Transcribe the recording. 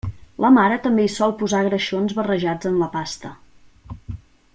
La mare també hi sol posar greixons barrejats en la pasta.